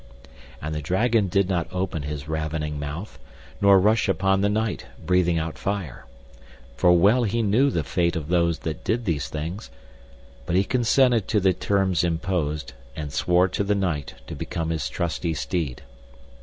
And the dragon did not open his ravening mouth, nor rush upon the knight, breathing out fire; for well he knew the fate of those that did these things, but he consented to the terms imposed, and swore to the knight to become his trusty steed.